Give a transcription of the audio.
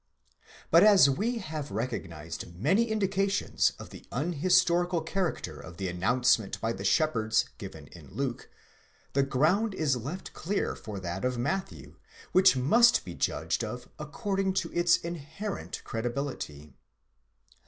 But as we have recognized many indications of the unhistorical character of the announcement by the shepherds given in Luke, the ground is left clear for that of Matthew, which must be judged of according to its inherent credibility.